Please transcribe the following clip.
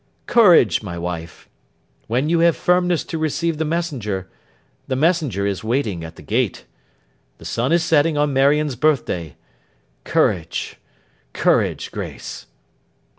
'Courage, my wife! When you have firmness to receive the messenger, the messenger is waiting at the gate. The sun is setting on Marion's birth day. Courage, courage, Grace!